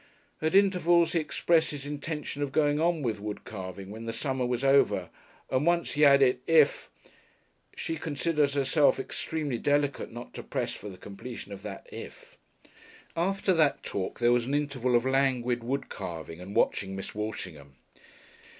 At intervals he expressed his intention of going on with wood carving when the summer was over, and once he added "If " She considered herself extremely delicate not to press for the completion of that "if " After that talk there was an interval of languid wood carving and watching Miss Walshingham.